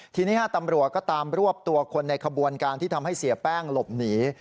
ทีนี้ตำรวจก็ตามรวบตัวคนในขบวนการที่ทำให้เสียแป้งหลบหนี